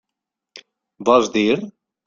Vols dir?